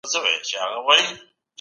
ملتونه څنګه د روغتیا حق باوري کوي؟